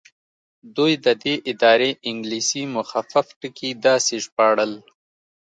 دوی د دې ادارې انګلیسي مخفف ټکي داسې ژباړل.